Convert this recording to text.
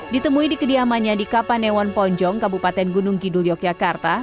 ditemui di kediamannya di kapanewon ponjong kabupaten gunung kidul yogyakarta